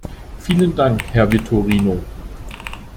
Vielen Dank, Herr Vitorino.